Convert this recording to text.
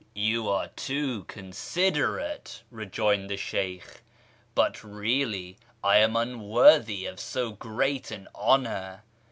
"You are too considerate," rejoined the Sheykh, "but really I am unworthy of so great an honour."